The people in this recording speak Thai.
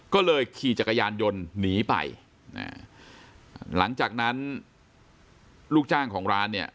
ก็เลยขี่จักรยานยนต์หนีไปหลังจากนั้นลูกจ้างของร้านเนี่ย